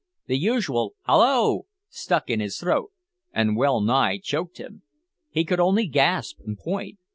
The usual "Hallo!" stuck in his throat and well nigh choked him. He could only gasp, and point.